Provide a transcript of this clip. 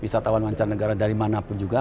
wisatawan wancar negara dari mana pun juga